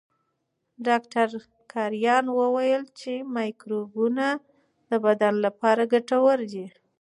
ډاکټر کرایان وویل چې مایکروبونه د بدن لپاره ګټور دي.